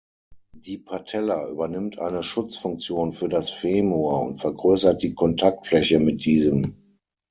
Die Patella übernimmt eine Schutzfunktion für das Femur und vergrößert die Kontaktfläche mit diesem.